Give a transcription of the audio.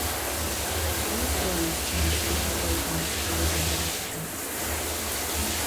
The new editors turned the paper away from its partisan Democrat emphasis.